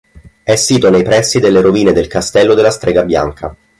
È sito nei pressi delle rovine del Castello della Strega Bianca.